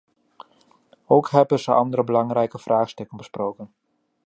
Ook hebben ze andere belangrijke vraagstukken besproken.